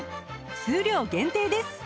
数量限定です